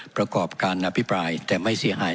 ประกอบการอภิปรายแต่ไม่เสียหาย